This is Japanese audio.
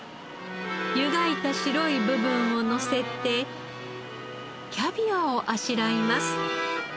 ゆがいた白い部分をのせてキャビアをあしらいます。